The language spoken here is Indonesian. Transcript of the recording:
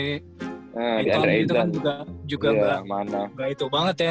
itu kan juga gak itu banget ya